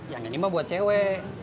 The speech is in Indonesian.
yang ini mah buat cewek